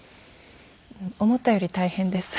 思ったより大変です。